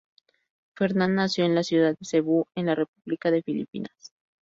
Fernán nació en la ciudad de Cebú en la República de Filipinas.